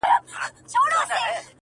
o خټک که ښه سوار دئ، د يوه وار دئ.